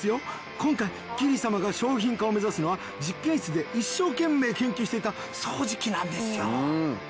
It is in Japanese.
今回キリ様が商品化を目指すのは実験室で一生懸命研究していた掃除機なんですよ。